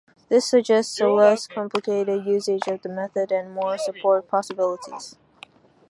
This suggests a less complicated usage of the method and more support possibilities.